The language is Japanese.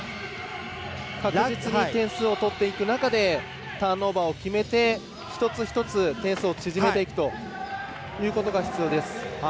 確実に点数を取っていく中でターンオーバーを決めて一つ一つ、点数を縮めていくということが必要です。